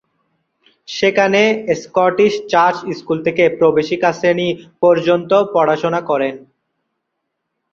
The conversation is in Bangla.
সেখানে স্কটিশ চার্চ স্কুল থেকে প্রবেশিকা শ্রেণি পর্যন্ত পড়াশোনা করেন।